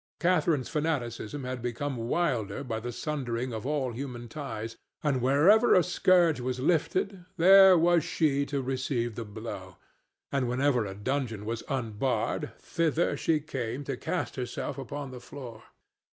Catharine's fanaticism had become wilder by the sundering of all human ties; and wherever a scourge was lifted, there was she to receive the blow; and whenever a dungeon was unbarred, thither she came to cast herself upon the floor.